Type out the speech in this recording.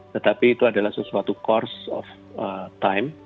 tetapi itu adalah sesuatu course of time